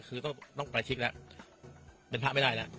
คือต้องไปภาพไม่ได้นะ